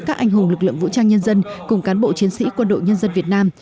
các anh hùng lực lượng vũ trang nhân dân cùng cán bộ chiến sĩ quân đội nhân dân việt nam